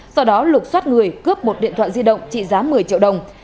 sau đó lục xoát người cướp một điện thoại di động trị giá một mươi triệu đồng